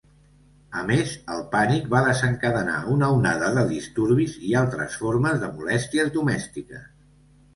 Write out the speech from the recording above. A més, el pànic va desencadenar una onada de disturbis i altres formes de molèsties domèstiques.